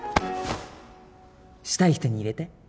したい人に入れて？